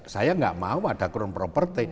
saya gak mau ada kron properti